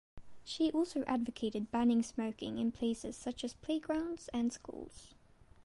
She also advocated banning smoking in places such as playgrounds and schools.